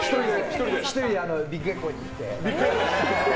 １人で、ビッグエコーに行って。